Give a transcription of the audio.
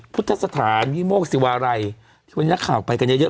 พุทธศาสตร์ยิโมสิวาไรที่วันนี้นักข่าวไปกันเยอะเยอะ